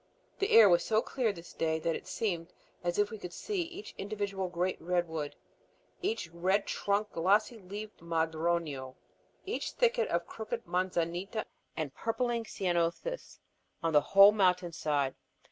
The air was so clear this day that it seemed as if we could see each individual great redwood, each red trunked, glossy leaved madroño, each thicket of crooked manzanita and purpling Ceanothus, on the whole mountain side.